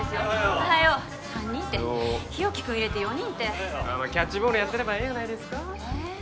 おはよう３人て日沖君入れて４人てキャッチボールやってればええやないですかええ